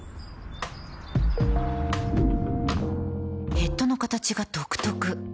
ヘッドの形が独特